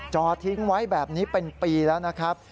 จอดทิ้งไว้แบบนี้เป็นปีแล้วนะครับ